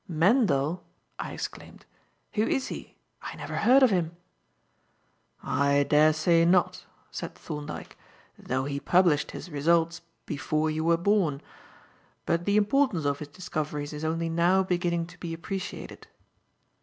"Mendel!" I exclaimed. "Who is he? I never heard of him." "I daresay not." said Thorndyke, "though he published his results before you were born. But the importance of his discoveries is only now beginning to be appreciated."